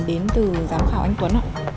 đến từ giám khảo anh tuấn